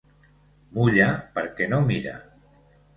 Mulla perquè no mira.